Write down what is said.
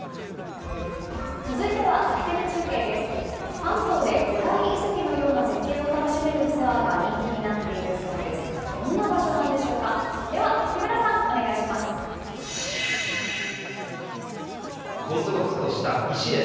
関東で古代遺跡のような絶景を楽しめるツアーが人気になっているそうです。